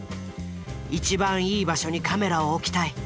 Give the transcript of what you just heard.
一番いい場所にカメラを置きたい。